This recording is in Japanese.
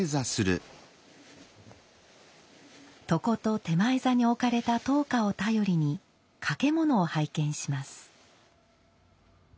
床と点前座に置かれた燈火を頼りに掛物を拝見します。